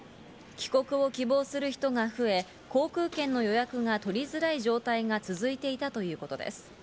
帰国を希望する人が増え、航空券の予約が取りづらい状態が続いていたということです。